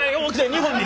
日本に。